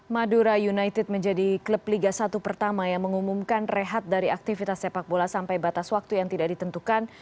madura united menjadi klub liga satu pertama yang mengumumkan rehat dari aktivitas sepak bola sampai batas waktu yang tidak ditentukan